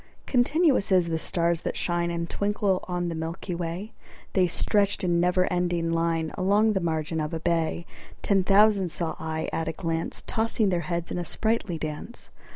Continuous as the stars that shine And twinkle on the milky way, They stretched in never ending line Along the margin of a bay: 10 Ten thousand saw I at a glance, Tossing their heads in sprightly dance.